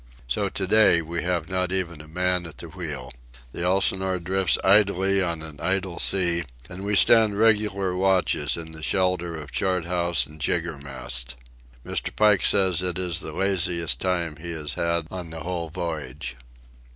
So to day we have not even a man at the wheel. The Elsinore drifts idly on an idle sea, and we stand regular watches in the shelter of chart house and jiggermast. Mr. Pike says it is the laziest time he has had on the whole voyage.